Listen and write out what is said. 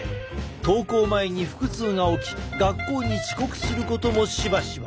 登校前に腹痛が起き学校に遅刻することもしばしば。